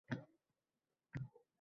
Undoq bayon kilmadim.